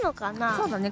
そうだね。